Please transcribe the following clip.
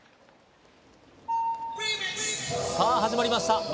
さあ始まりました